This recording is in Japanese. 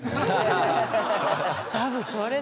多分それだ。